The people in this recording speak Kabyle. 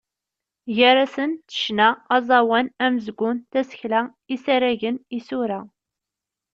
Gar-asent ccna, aẓawan, amezgun, tasekla, isaragen, isura.